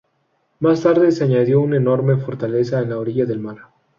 Más tarde se añadió una enorme fortaleza en la orilla del mar.